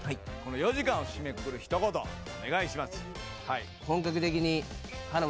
４時間を締めくくる一言お願いします。